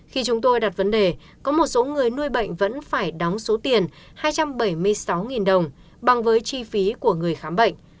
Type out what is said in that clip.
khi chúng tôi đặt vấn đề có một số người nuôi bệnh vẫn phải đóng số tiền hai trăm bảy mươi sáu đồng bằng với chi phí của người khám bệnh